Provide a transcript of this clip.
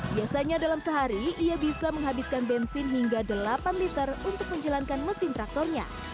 biasanya dalam sehari ia bisa menghabiskan bensin hingga delapan liter untuk menjalankan mesin traktornya